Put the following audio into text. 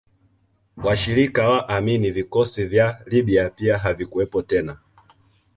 Washirika wa Amin vikosi vya Libya pia havikuwepo tena